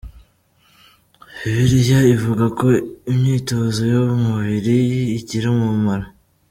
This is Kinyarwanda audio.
Bibiliya ivuga ko “imyitozo y’umubiri igira umumaro.